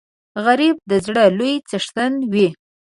غریب د زړه لوی څښتن وي